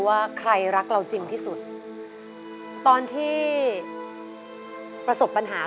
เปลี่ยนเพลงเพลงเก่งของคุณและข้ามผิดได้๑คำ